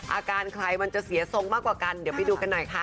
อาการใครมันจะเสียทรงมากกว่ากันเดี๋ยวไปดูกันหน่อยค่ะ